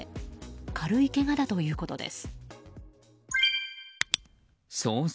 軽いけがだということです。